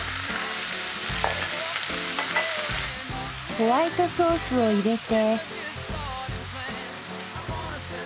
ホワイトソースを入れて。